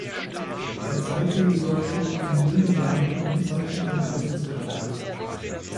Er zeigte jedoch schon in jungen Jahren Anzeichen von Geisteskrankheit.